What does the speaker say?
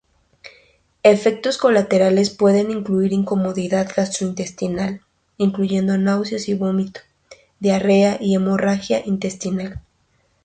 Efectos colaterales pueden incluir incomodidad gastrointestinal, incluyendo náuseas y vómitos, diarrea y hemorragia intestinal.